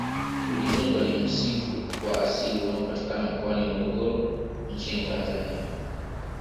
Udzungwa ni msitu wa asili unaopatikana mkoani Morogoro nchini Tanzania